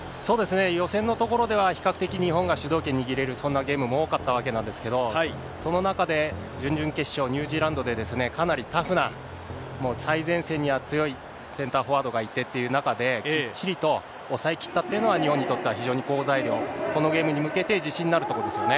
予選のところでは、比較的、日本が主導権握れる、そんなゲームも多かったわけですけれども、その中で、準々決勝、ニュージーランドでかなりタフな、もう最前線には強いセンターフォワードがいてっていう中で、きっちりと抑えきったっていうのは、日本にとっては非常に好材料、このゲームに向けて、自信になるところですよね。